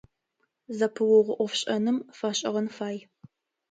Зэпыугъо ӏофшӏэным фэшӏыгъэн фай.